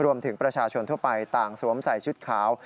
รวมถึงประชาชนทั่วไปต่างสวมใส่ชุดขาว